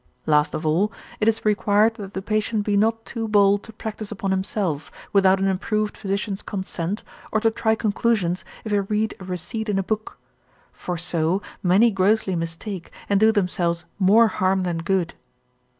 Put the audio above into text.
Last of all, it is required that the patient be not too bold to practise upon himself, without an approved physician's consent, or to try conclusions, if he read a receipt in a book; for so, many grossly mistake, and do themselves more harm than good.